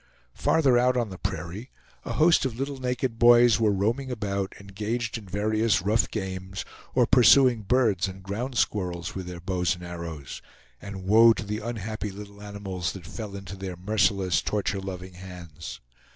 Farther out on the prairie, a host of little naked boys were roaming about, engaged in various rough games, or pursuing birds and ground squirrels with their bows and arrows; and woe to the unhappy little animals that fell into their merciless, torture loving hands!